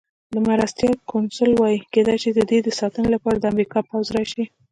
مرستیال کونسل وویل: کېدای شي د ده د ساتنې لپاره د امریکا پوځ راشي.